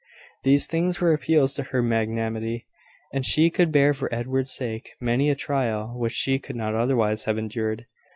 These things were appeals to her magnanimity; and she could bear for Edward's sake many a trial which she could not otherwise have endured.